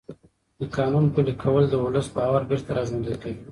د قانون پلي کول د ولس باور بېرته راژوندی کوي